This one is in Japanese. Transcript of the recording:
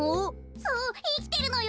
そういきてるのよ。